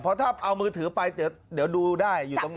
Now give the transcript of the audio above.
เพราะถ้าเอามือถือไปเดี๋ยวดูได้อยู่ตรงไหน